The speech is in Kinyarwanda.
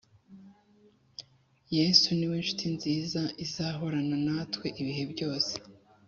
Yesu niwe nshuti nziza izahorana natwe ibihe byose